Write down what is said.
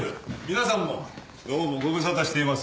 皆さんもどうもご無沙汰しています。